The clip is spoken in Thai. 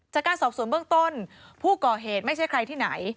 จากการสอบสวนเบื้องต้นผู้ก่อเหตุไม่ใช่ใครที่ไหน